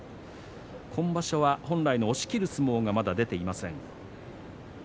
今場所は本来の押しきる相撲がまだ出ていません。